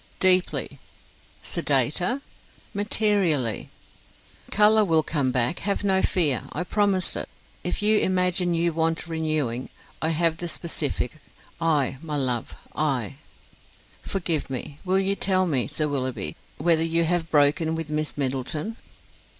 "Deeply." "Sedater?" "Materially." "Colour will come back: have no fear; I promise it. If you imagine you want renewing, I have the specific, I, my love, I!" "Forgive me will you tell me, Sir Willoughby, whether you have broken with Miss Middleton?"